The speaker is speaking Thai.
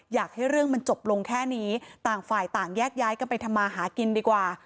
อยากให้เรื่องมันจบลงแค่นี้ต่างฝ่ายต่างแยกย้ายกันไปทำมาหากินดีกว่า